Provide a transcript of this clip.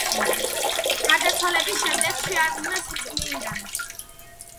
გარდაცვალების შემდეგ შერაცხეს წმინდანად.